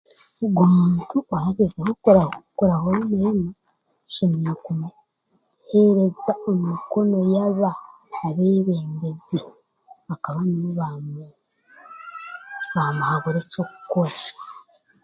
Ogwo muntu oragyezaho kura kurahura omurema ashemereire kumuheereza emikono yaba abeebembezi kabanibo bamu baamuhabura eky'okukora